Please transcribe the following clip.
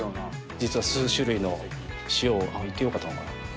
実は数種類の塩を、言ってよかったのかな？